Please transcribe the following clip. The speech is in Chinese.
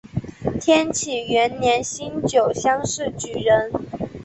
天启元年辛酉乡试举人。